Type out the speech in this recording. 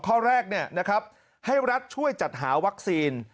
ข้อแรกให้รัฐช่วยจัดหาวัคซีน